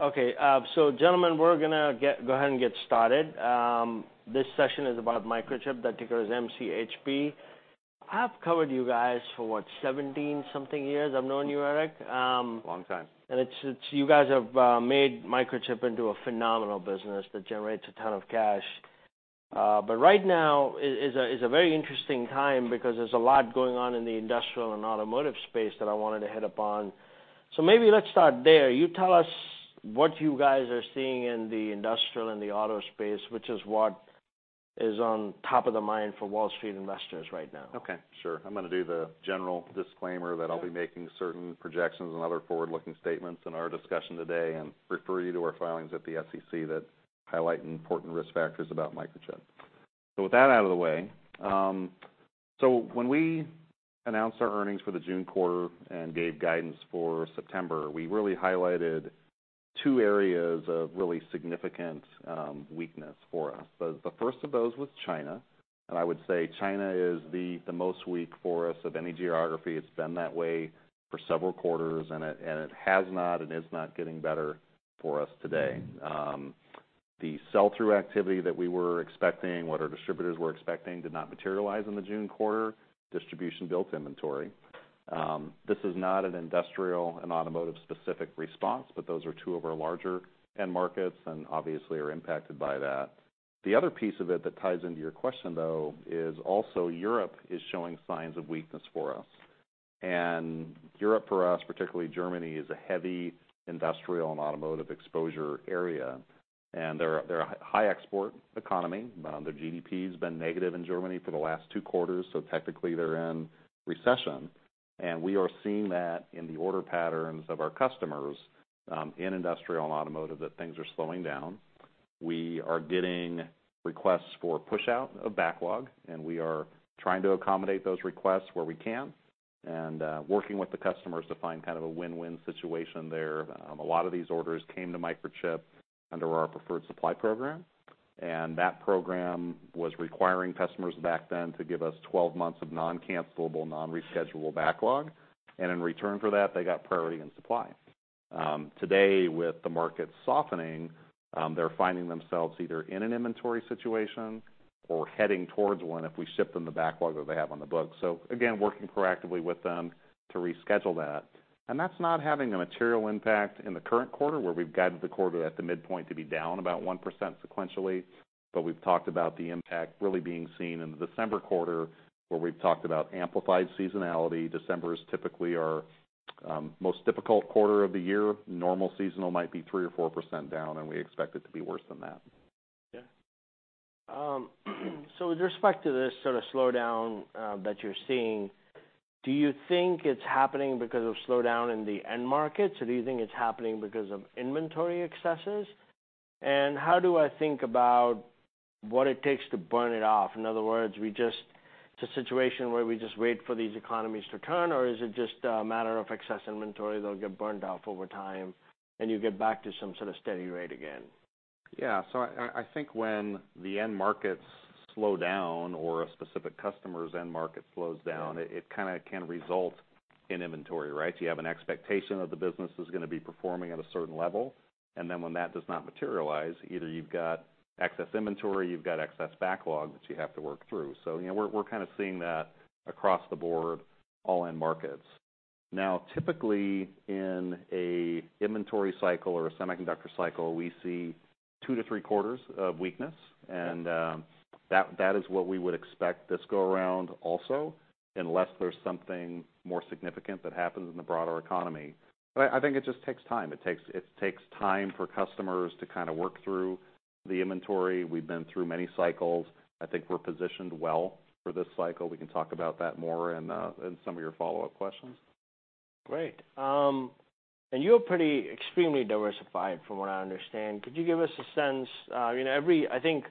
Okay, so gentlemen, we're gonna go ahead and get started. This session is about Microchip, the ticker is MCHP. I've covered you guys for what? 17 something years I've known you, Eric? Long time. And you guys have made Microchip into a phenomenal business that generates a ton of cash. But right now, it's a very interesting time because there's a lot going on in the industrial and automotive space that I wanted to hit upon. So maybe let's start there. You tell us what you guys are seeing in the industrial and the auto space, which is what is on top of the mind for Wall Street investors right now. Okay, sure. I'm gonna do the general disclaimer that I'll be making certain projections and other forward-looking statements in our discussion today, and refer you to our filings at the SEC that highlight important risk factors about Microchip. So with that out of the way, so when we announced our earnings for the June quarter and gave guidance for September, we really highlighted two areas of really significant weakness for us. The first of those was China, and I would say China is the most weak for us of any geography. It's been that way for several quarters, and it has not and is not getting better for us today. The sell-through activity that we were expecting, what our distributors were expecting, did not materialize in the June quarter. Distribution built inventory. This is not an industrial and automotive specific response, but those are two of our larger end markets and obviously are impacted by that. The other piece of it that ties into your question, though, is also Europe is showing signs of weakness for us. And Europe, for us, particularly Germany, is a heavy industrial and automotive exposure area, and they're a high export economy. Their GDP has been negative in Germany for the last two quarters, so technically they're in recession. And we are seeing that in the order patterns of our customers, in industrial and automotive, that things are slowing down. We are getting requests for push out of backlog, and we are trying to accommodate those requests where we can, and working with the customers to find kind of a win-win situation there. A lot of these orders came to Microchip under our Preferred Supply Program, and that program was requiring customers back then to give us 12 months of non-cancellable, non-reschedule backlog, and in return for that, they got priority and supply. Today, with the market softening, they're finding themselves either in an inventory situation or heading towards one if we ship them the backlog that they have on the books. So again, working proactively with them to reschedule that. And that's not having a material impact in the current quarter, where we've guided the quarter at the midpoint to be down about 1% sequentially. But we've talked about the impact really being seen in the December quarter, where we've talked about amplified seasonality. December is typically our most difficult quarter of the year. Normal seasonal might be 3 or 4% down, and we expect it to be worse than that. Yeah. So with respect to this sort of slowdown that you're seeing, do you think it's happening because of slowdown in the end markets, or do you think it's happening because of inventory excesses? And how do I think about what it takes to burn it off? In other words, it's a situation where we just wait for these economies to turn, or is it just a matter of excess inventory that'll get burned off over time, and you get back to some sort of steady rate again? Yeah, so I think when the end markets slow down or a specific customer's end market slows down, it kind of can result in inventory, right? So you have an expectation that the business is gonna be performing at a certain level, and then when that does not materialize, either you've got excess inventory, you've got excess backlog that you have to work through. So, you know, we're kind of seeing that across the board, all end markets. Now, typically, in an inventory cycle or a semiconductor cycle, we see two to three quarters of weakness, and that is what we would expect this go-around also, unless there's something more significant that happens in the broader economy. But I think it just takes time. It takes time for customers to kind of work through the inventory. We've been through many cycles. I think we're positioned well for this cycle. We can talk about that more in some of your follow-up questions. Great. And you're pretty extremely diversified from what I understand. Could you give us a sense you know, every, I think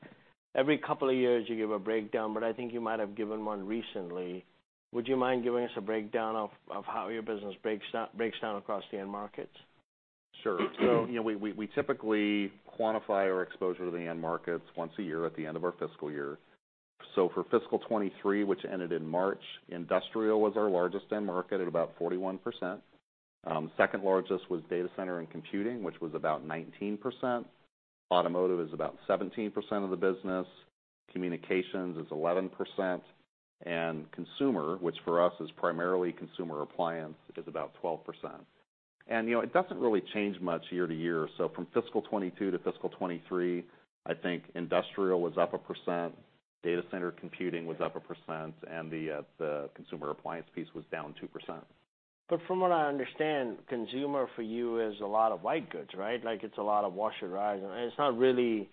every couple of years you give a breakdown, but I think you might have given one recently. Would you mind giving us a breakdown of, of how your business breaks down, breaks down across the end markets? Sure. So, you know, we, we typically quantify our exposure to the end markets once a year at the end of our fiscal year. So for fiscal 2023, which ended in March, industrial was our largest end market at about 41%. Second largest was data center and computing, which was about 19%. Automotive is about 17% of the business, communications is 11%, and consumer, which for us is primarily consumer appliance, is about 12%. And, you know, it doesn't really change much year to year. So from fiscal 2022 to fiscal 2023, I think industrial was up 1%, data center computing was up 1%, and the, the consumer appliance piece was down 2%. But from what I understand, consumer for you is a lot of white goods, right? Like, it's a lot of washer and dryers, and it's not really,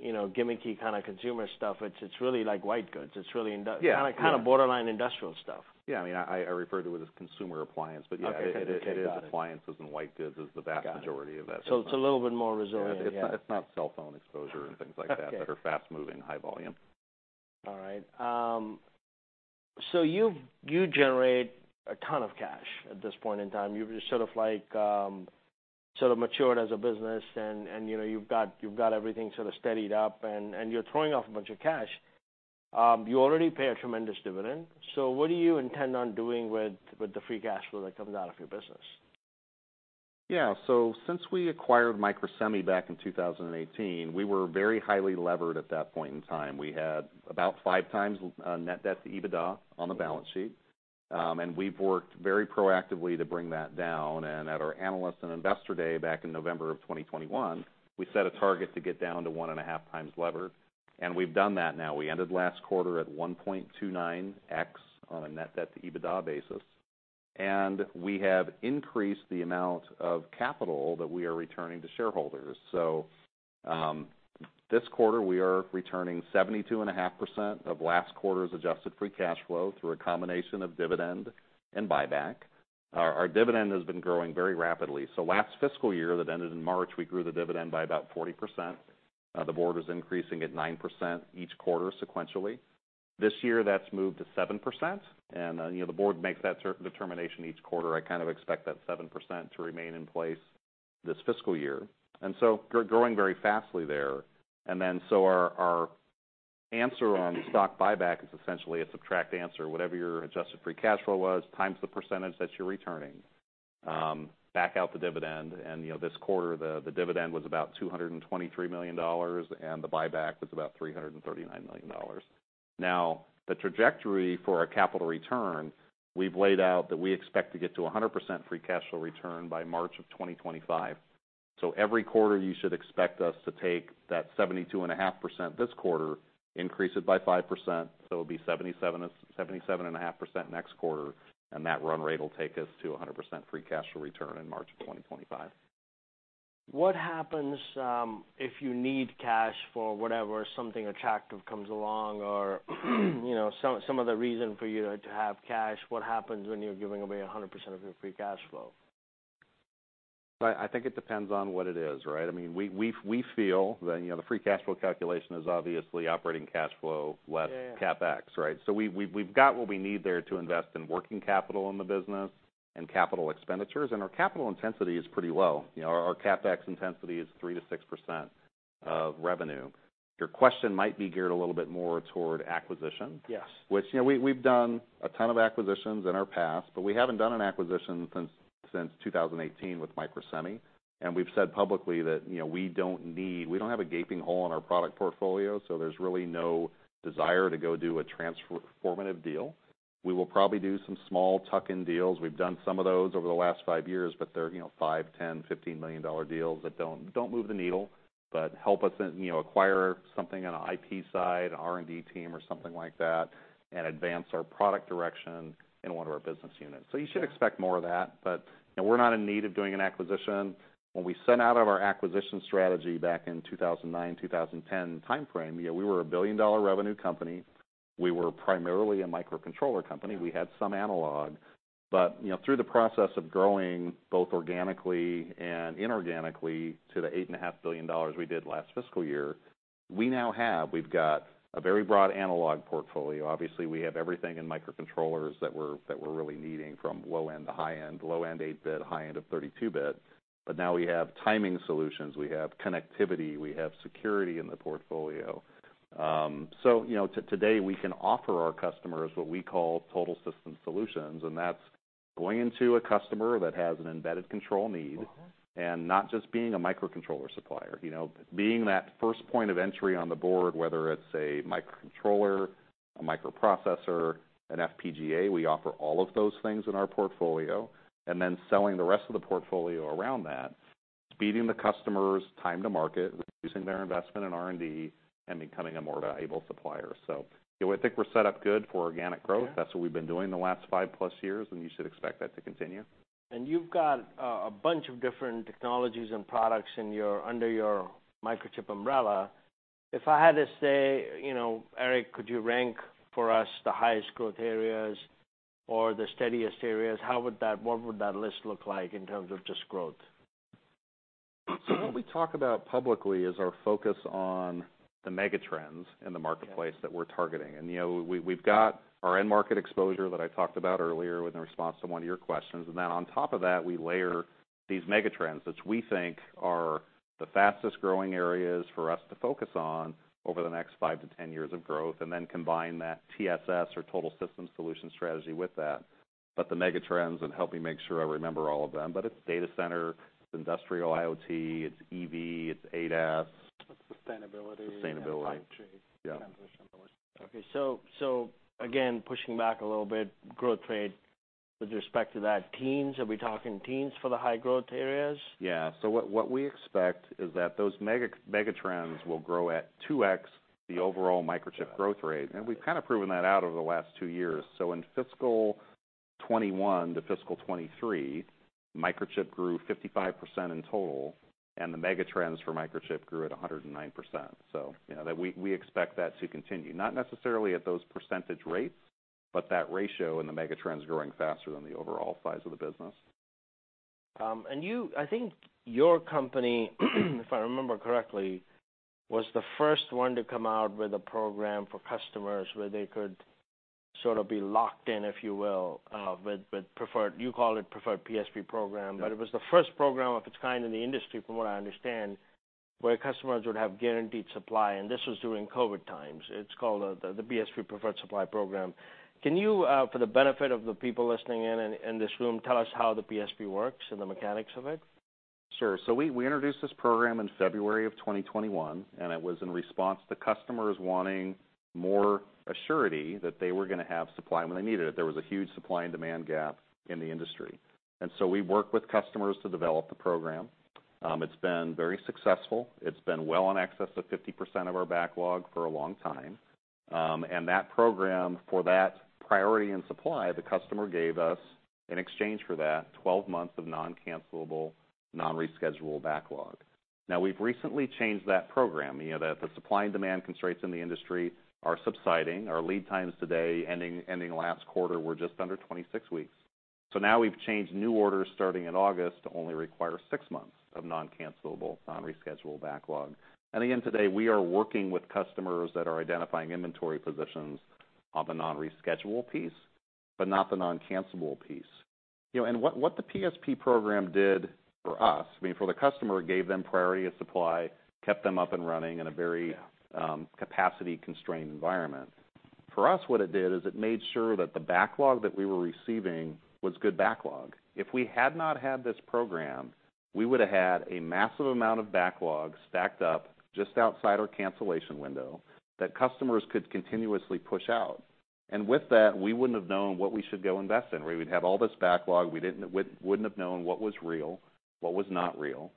you know, gimmicky kind of consumer stuff. It's, it's really like white goods. It's really kind of borderline industrial stuff. Yeah, I mean, I referred to it as consumer appliance, but yeah. Okay, got it. It is appliances and white goods is the vast majority of it. It's a little bit more resilient. Yeah. It's not, it's not cell phone exposure and things like that are fast-moving, high volume. All right. So you've you generate a ton of cash at this point in time. You've just sort of like, sort of matured as a business and you know, you've got everything sort of steadied up and you're throwing off a bunch of cash. You already pay a tremendous dividend. So what do you intend on doing with the free cash flow that comes out of your business? Yeah. So since we acquired Microsemi back in 2018, we were very highly levered at that point in time. We had about 5x net debt-to-EBITDA on the balance sheet. And we've worked very proactively to bring that down. And at our Analyst and Investor Day back in November 2021, we set a target to get down to 1.5x levered, and we've done that now. We ended last quarter at 1.29x on a net debt-to-EBITDA basis, and we have increased the amount of capital that we are returning to shareholders. So, this quarter, we are returning 72.5% of last quarter's adjusted free cash flow through a combination of dividend and buyback. Our dividend has been growing very rapidly. So last fiscal year that ended in March, we grew the dividend by about 40%. The board was increasing at 9% each quarter sequentially. This year, that's moved to 7%, and, you know, the board makes that certain determination each quarter. I kind of expect that 7% to remain in place this fiscal year, and so growing very fastly there. And then, so our answer on stock buyback is essentially a subtract answer. Whatever your adjusted free cash flow was, times the percentage that you're returning, back out the dividend. And, you know, this quarter, the dividend was about $223 million, and the buyback was about $339 million. Now, the trajectory for our capital return, we've laid out that we expect to get to 100% free cash flow return by March 2025. So every quarter, you should expect us to take that 72.5% this quarter, increase it by 5%, so it'll be 77, 77.5% next quarter, and that run rate will take us to 100% free cash flow return in March 2025. What happens, if you need cash for whatever, something attractive comes along or, you know, some other reason for you to have cash? What happens when you're giving away 100% of your free cash flow? I think it depends on what it is, right? I mean, we feel that, you know, the free cash flow calculation is obviously operating cash flow less CapEx, right? So we've got what we need there to invest in working capital in the business and capital expenditures, and our capital intensity is pretty low. You know, our CapEx intensity is 3%-6% of revenue. Your question might be geared a little bit more toward acquisition. Which, you know, we, we've done a ton of acquisitions in our past, but we haven't done an acquisition since 2018 with Microsemi. And we've said publicly that, you know, we don't need. We don't have a gaping hole in our product portfolio, so there's really no desire to go do a transformative deal. We will probably do some small tuck-in deals. We've done some of those over the last five years, but they're, you know, $5 million, $10 million, $15 million deals that don't move the needle, but help us, you know, acquire something on an IP side, an R&D team, or something like that, and advance our product direction in one of our business units. So you should expect more of that. But, you know, we're not in need of doing an acquisition. When we set out on our acquisition strategy back in 2009, 2010 timeframe, you know, we were a billion-dollar revenue company. We were primarily a microcontroller company. We had some analog. But, you know, through the process of growing, both organically and inorganically, to the $8.5 billion we did last fiscal year, we now have, we've got a very broad analog portfolio. Obviously, we have everything in microcontrollers that we're, that we're really needing, from low end to high end. Low end, 8-bit, high end of 32-bit. But now we have timing solutions, we have connectivity, we have security in the portfolio. So you know, today, we can offer our customers what we call Total System Solutions, and that's going into a customer that has an embedded control need and not just being a microcontroller supplier. You know, being that first point of entry on the board, whether it's a microcontroller, a microprocessor, an FPGA, we offer all of those things in our portfolio, and then selling the rest of the portfolio around that, speeding the customer's time to market, reducing their investment in R&D, and becoming a more valuable supplier. So, you know, I think we're set up good for organic growth. That's what we've been doing the last 5+ years, and you should expect that to continue. You've got a bunch of different technologies and products under your Microchip umbrella. If I had to say, you know, Eric, could you rank for us the highest growth areas or the steadiest areas? What would that list look like in terms of just growth? What we talk about publicly is our focus on the megatrends in the marketplace that we're targeting. You know, we, we've got our end market exposure that I talked about earlier in response to one of your questions. Then on top of that, we layer these megatrends, which we think are the fastest-growing areas for us to focus on over the next five-10 years of growth, and then combine that TSS, or Total System Solutions strategy, with that. But the megatrends, and help me make sure I remember all of them, but it's data center, it's Industrial IoT, it's EV, it's ADAS. It's sustainability. Sustainability. And 5G transition. Okay so, so again, pushing back a little bit, growth rate with respect to that, teens, are we talking teens for the high-growth areas? Yeah. So what we expect is that those megatrends will grow at 2x the overall Microchip growth rate. And we've kind of proven that out over the last two years. So in fiscal 2021 to fiscal 2023, Microchip grew 55% in total, and the megatrends for Microchip grew at 109%. So you know, that we expect that to continue, not necessarily at those percentage rates, but that ratio and the megatrends growing faster than the overall size of the business. And you, I think your company, if I remember correctly, was the first one to come out with a program for customers, where they could sort of be locked in, if you will, with preferred—you call it preferred PSP program. But it was the first program of its kind in the industry, from what I understand, where customers would have guaranteed supply, and this was during COVID times. It's called the PSP Preferred Supply Program. Can you, for the benefit of the people listening in, in this room, tell us how the PSP works and the mechanics of it? Sure. So we, we introduced this program in February 2021, and it was in response to customers wanting more assurance that they were gonna have supply when they needed it. There was a huge supply and demand gap in the industry. And so we worked with customers to develop the program. It's been very successful. It's been well in excess of 50% of our backlog for a long time. And that program, for that priority and supply, the customer gave us, in exchange for that, 12 months of non-cancellable, non-reschedule backlog. Now, we've recently changed that program. You know, the, the supply and demand constraints in the industry are subsiding. Our lead times today, ending, ending last quarter, were just under 26 weeks. So now we've changed new orders starting in August, to only require six months of non-cancellable, non-reschedule backlog. And again, today, we are working with customers that are identifying inventory positions on the non-reschedule piece, but not the non-cancellable piece. You know, and what the PSP program did for us, I mean, for the customer, it gave them priority of supply, kept them up and running in a very capacity-constrained environment. For us, what it did is it made sure that the backlog that we were receiving was good backlog. If we had not had this program, we would've had a massive amount of backlog stacked up just outside our cancellation window, that customers could continuously push out. And with that, we wouldn't have known what we should go invest in, where we'd have all this backlog, we wouldn't have known what was real, what was not real. And,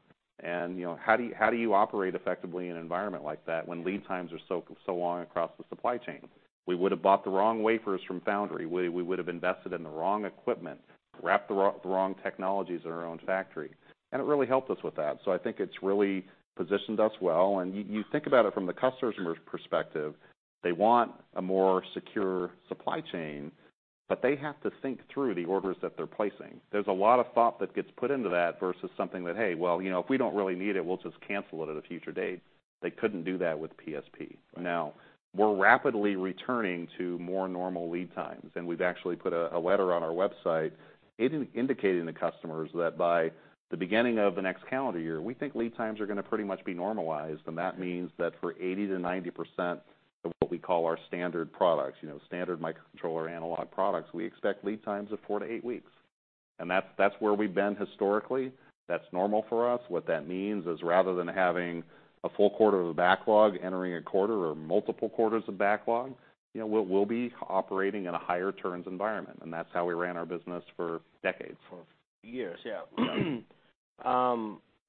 you know, how do you, how do you operate effectively in an environment like that when lead times are so, so long across the supply chain? We would've bought the wrong wafers from foundry. We would've invested in the wrong equipment, wrapped the wrong technologies in our own factory. And it really helped us with that. So I think it's really positioned us well. And you, you think about it from the customer's perspective, they want a more secure supply chain, but they have to think through the orders that they're placing. There's a lot of thought that gets put into that versus something that, "Hey, well, you know, if we don't really need it, we'll just cancel it at a future date." They couldn't do that with PSP. Now, we're rapidly returning to more normal lead times, and we've actually put a, a letter on our website, indicating to customers that by the beginning of the next calendar year, we think lead times are gonna pretty much be normalized. And that means that for 80%-90% of what we call our standard products, you know, standard microcontroller analog products, we expect lead times of four-eight weeks. That's, that's where we've been historically. That's normal for us. What that means is, rather than having a full quarter of the backlog entering a quarter or multiple quarters of backlog, you know, we'll, we'll be operating in a higher turns environment, and that's how we ran our business for decades. For years, yeah.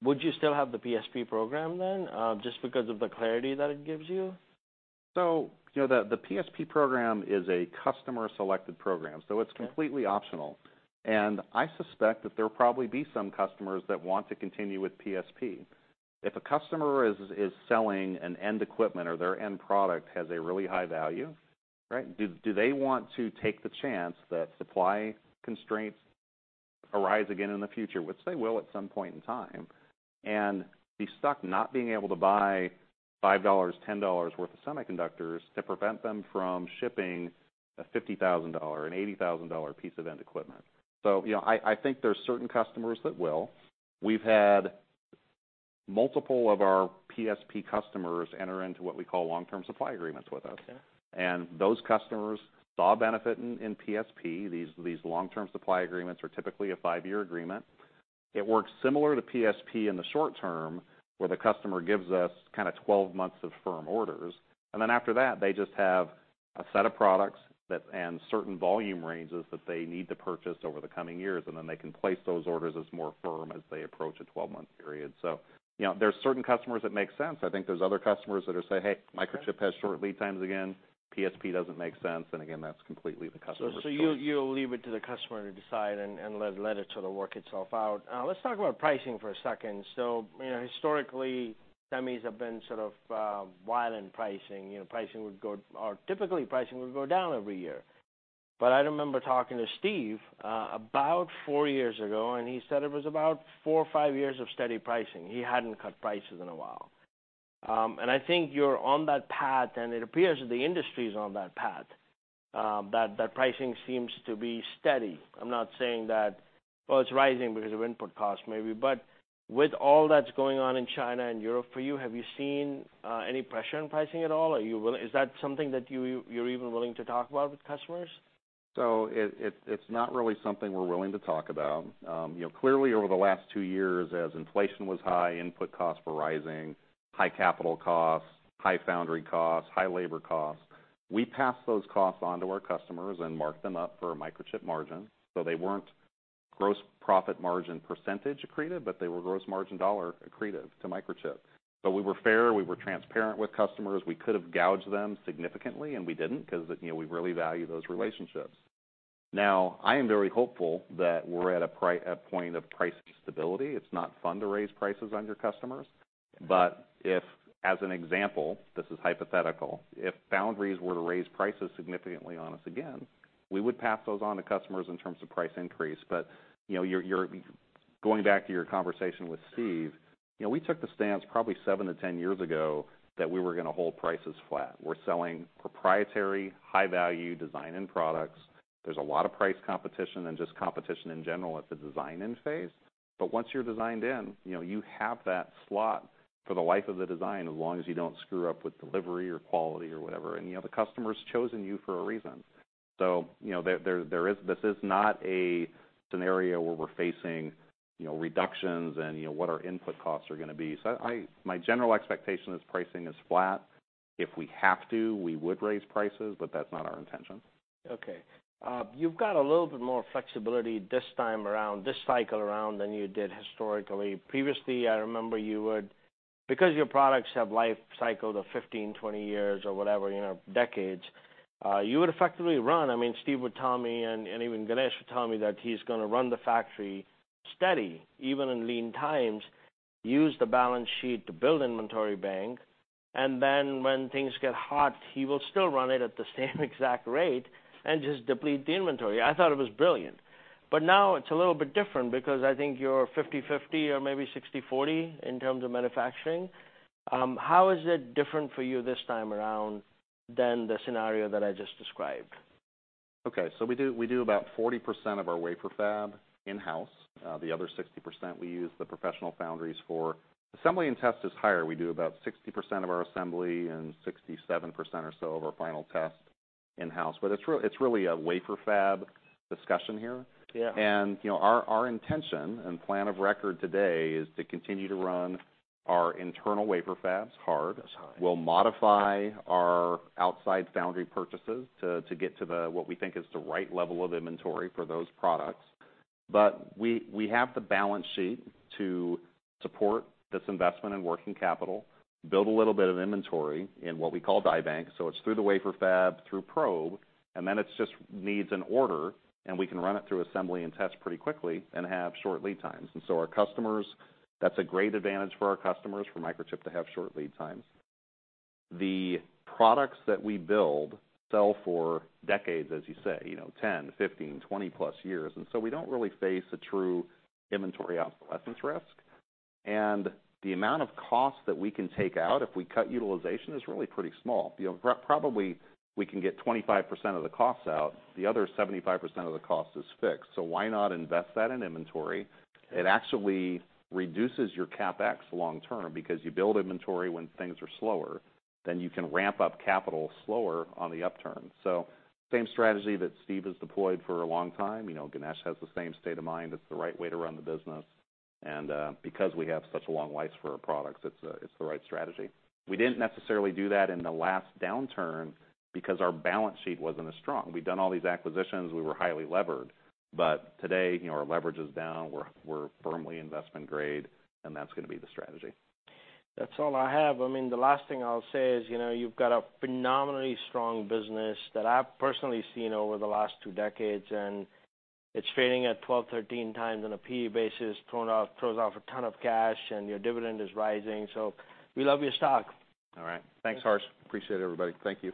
Would you still have the PSP program then, just because of the clarity that it gives you? So, you know, the PSP program is a customer-selected program, so it's completely optional. I suspect that there'll probably be some customers that want to continue with PSP. If a customer is selling an end equipment or their end product has a really high value, right? Do they want to take the chance that supply constraints arise again in the future, which they will at some point in time, and be stuck not being able to buy $5, $10 worth of semiconductors to prevent them from shipping a $50,000, an $80,000 piece of end equipment? So, you know, I think there's certain customers that will. We've had multiple of our PSP customers enter into what we call long-term supply agreements with us. Those customers saw benefit in PSP. These long-term supply agreements are typically a five-year agreement. It works similar to PSP in the short term, where the customer gives us kind of 12 months of firm orders, and then after that, they just have a set of products that and certain volume ranges that they need to purchase over the coming years, and then they can place those orders as more firm as they approach a 12-month period. So, you know, there's certain customers that make sense. I think there's other customers that are saying: "Hey, Microchip has short lead times again. PSP doesn't make sense." And again, that's completely the customer's choice. So you'll leave it to the customer to decide and let it sort of work itself out. Let's talk about pricing for a second. So, you know, historically, semis have been sort of wild in pricing. You know, pricing would go or typically, pricing would go down every year. But I remember talking to Steve about four years ago, and he said it was about four or five years of steady pricing. He hadn't cut prices in a while. And I think you're on that path, and it appears that the industry is on that path, that pricing seems to be steady. I'm not saying that. Well, it's rising because of input costs, maybe. But with all that's going on in China and Europe, for you, have you seen any pressure on pricing at all? Is that something that you, you're even willing to talk about with customers? So it's not really something we're willing to talk about. You know, clearly, over the last two years, as inflation was high, input costs were rising, high capital costs, high foundry costs, high labor costs, we passed those costs on to our customers and marked them up for a Microchip margin. So they weren't gross profit margin percentage accretive, but they were gross margin dollar accretive to Microchip. But we were fair, we were transparent with customers. We could have gouged them significantly, and we didn't, 'cause, you know, we really value those relationships. Now, I am very hopeful that we're at a point of price stability. It's not fun to raise prices on your customers. But if, as an example, this is hypothetical, if foundries were to raise prices significantly on us again, we would pass those on to customers in terms of price increase. But you know, going back to your conversation with Steve, you know, we took the stance probably seven-10 years ago, that we were going to hold prices flat. We're selling proprietary, high-value design-in products. There's a lot of price competition and just competition in general at the design-in phase. But once you're designed in, you know, you have that slot for the life of the design, as long as you don't screw up with delivery or quality or whatever, and, you know, the customer's chosen you for a reason. So, you know, this is not a scenario where we're facing, you know, reductions and, you know, what our input costs are going to be. So my general expectation is pricing is flat. If we have to, we would raise prices, but that's not our intention. Okay. You've got a little bit more flexibility this time around, this cycle around, than you did historically. Previously, I remember you would, because your products have life cycle of 15, 20 years or whatever, you know, decades, you would effectively run. I mean, Steve would tell me, and even Ganesh would tell me, that he's going to run the factory steady, even in lean times, use the balance sheet to build inventory bank, and then when things get hot, he will still run it at the same exact rate and just deplete the inventory. I thought it was brilliant. But now it's a little bit different because I think you're 50/50 or maybe 60/40 in terms of manufacturing. How is it different for you this time around than the scenario that I just described? Okay. So we do, we do about 40% of our wafer fab in-house. The other 60%, we use the professional foundries for. Assembly and test is higher. We do about 60% of our assembly and 67% or so of our final test in-house. But it's really a wafer fab discussion here. You know, our intention and plan of record today is to continue to run our internal wafer fab hard. We'll modify our outside foundry purchases to get to the what we think is the right level of inventory for those products. But we have the balance sheet to support this investment in working capital, build a little bit of inventory in what we call die bank. So it's through the wafer fab, through probe, and then it just needs an order, and we can run it through assembly and test pretty quickly and have short lead times. And so our customers, that's a great advantage for our customers, for Microchip to have short lead times. The products that we build sell for decades, as you say, you know, 10, 15, 20+ years, and so we don't really face a true inventory obsolescence risk. The amount of cost that we can take out if we cut utilization is really pretty small. You know, probably we can get 25% of the costs out, the other 75% of the cost is fixed. So why not invest that in inventory? It actually reduces your CapEx long term, because you build inventory when things are slower, then you can ramp up capital slower on the upturn. So same strategy that Steve has deployed for a long time. You know, Ganesh has the same state of mind. It's the right way to run the business, and because we have such a long life for our products, it's the right strategy. We didn't necessarily do that in the last downturn because our balance sheet wasn't as strong. We'd done all these acquisitions. We were highly levered, but today, you know, our leverage is down, we're firmly investment grade, and that's going to be the strategy. That's all I have. I mean, the last thing I'll say is, you know, you've got a phenomenally strong business that I've personally seen over the last two decades, and it's trading at 12-13 times on a PE basis, throws off a ton of cash, and your dividend is rising, so we love your stock. All right. Thanks, Harsh. Appreciate it, everybody. Thank you.